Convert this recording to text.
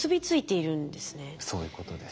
そういうことです。